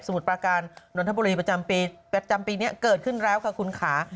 มุดประการนนทบุรีประจำปีนี้เกิดขึ้นแล้วค่ะคุณค่ะ